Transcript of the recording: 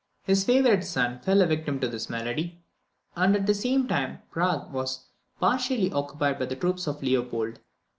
His favourite son fell a victim to this malady, and at the same time Prague was partially occupied by the troops of Leopold.